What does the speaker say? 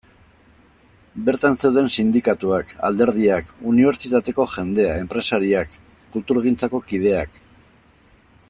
Bertan zeuden sindikatuak, alderdiak, unibertsitateko jendea, enpresariak, kulturgintzako kideak...